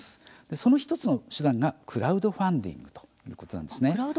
その１つの手段がクラウドファンディングということなんですね。